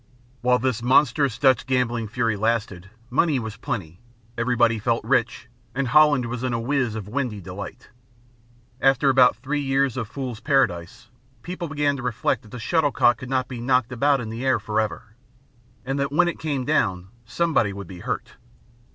While this monstrous Dutch gambling fury lasted, money was plenty, everybody felt rich and Holland was in a whiz of windy delight. After about three years of fool's paradise, people began to reflect that the shuttlecock could not be knocked about in the air forever, and that when it came down somebody would be hurt.